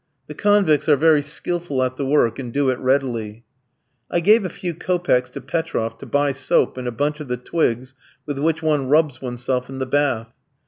The convicts are very skilful at the work, and do it readily. I gave a few kopecks to Petroff to buy soap and a bunch of the twigs with which one rubs oneself in the bath.